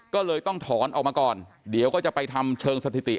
ก็เลยต้องถอนออกมาก่อนเดี๋ยวก็จะไปทำเชิงสถิติ